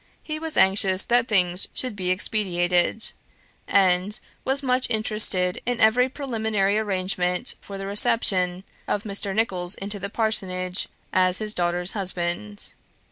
He was anxious that things should be expedited, and was much interested in every preliminary arrangement for the reception of Mr. Nicholls into the Parsonage as his daughter's husband.